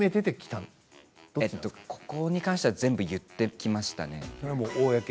ここに関しては全部言っていましたね。